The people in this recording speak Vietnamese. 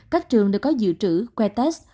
các trường đều có dự trữ que test